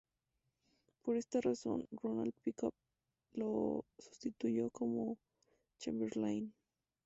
Por esta razón, Ronald Pickup le sustituyó como Chamberlain.